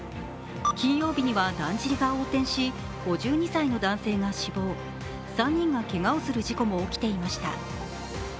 金曜日にはだんじりが横転し、５２歳の男性が死亡、３人が、けがをする事故も起きていました。